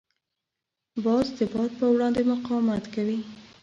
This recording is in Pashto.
باز د باد په وړاندې مقاومت کوي